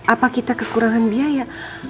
apa kita kekurangan biaya